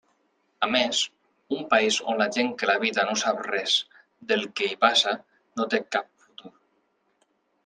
A més, un país on la gent que l'habita no sap res del que hi passa, no té cap futur.